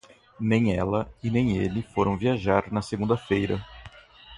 Nem ela e nem ele foram viajar na segunda-feira.